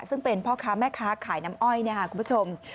ซึ่งเป็นพ่อค้าแม่ค้าขายน้ำอ้อยเนี่ยค่ะคุณผู้ชม